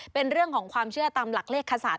เป็นเรื่องของความเชื่อตามหลักเลขคศาส